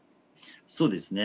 そうですね。